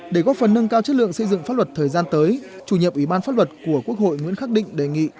để góp phần nâng cao chất lượng xây dựng pháp luật thời gian tới chủ nhiệm ủy ban pháp luật của quốc hội nguyễn khắc định đề nghị